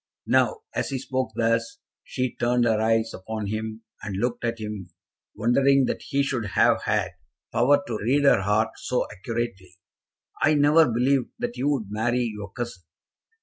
Now, as he spoke thus, she turned her eyes upon him, and looked at him, wondering that he should have had power to read her heart so accurately. "I never believed that you would marry your cousin.